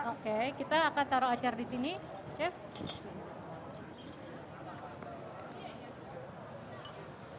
oke kita akan taruh acar disini chef